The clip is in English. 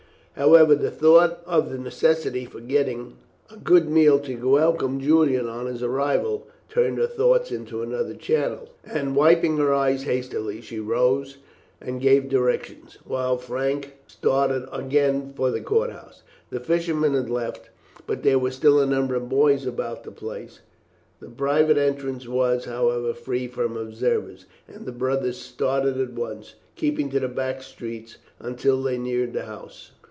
However, the thought of the necessity for getting a good meal to welcome Julian on his arrival turned her thoughts into another channel, and, wiping her eyes hastily, she rose and gave directions, while Frank started again for the court house. The fishermen had left, but there were still a number of boys about the place. The private entrance was, however, free from observers, and the brothers started at once, keeping to the back streets until they neared the house.